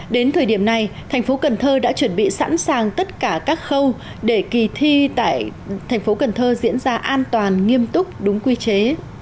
đến thời điểm này thành phố cần thơ đã chuẩn bị sẵn sàng tất cả các khâu để kỳ thi tại thành phố cần thơ diễn ra an toàn nghiêm túc đúng quy chế